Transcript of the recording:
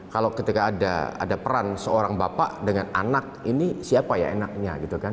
kalau ketika ada peran seorang bapak dengan anak ini siapa ya anaknya